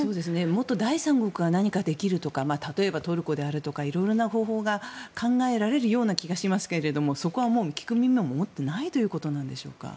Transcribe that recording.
もっと第三国が何かできるかとか例えばトルコであるとかいろいろな方法が考えられるような気がしますが聞く耳を持っていないということですか。